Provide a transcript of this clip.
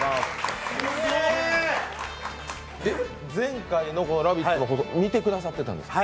前回の「ラヴィット！」の放送見てくださってたんですか？